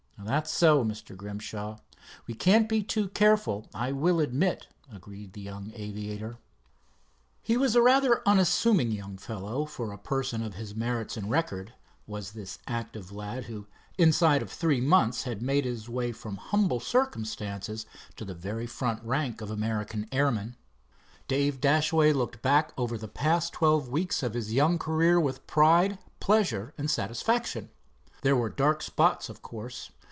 "That's so, Mr. Grimshaw, we can't be too careful, I will admit," agreed the young aviator. He was a rather unassuming young fellow for a person of his merits and record, was this active lad who inside of three months had made his way from humble circumstances to the very front rank of American airmen. Dave Dashaway looked back over the past twelve weeks of his young career with pride, pleasure and satisfaction. There were dark spots, of course.